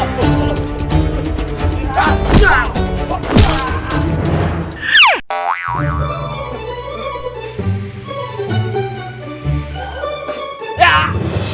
bapak sadar pak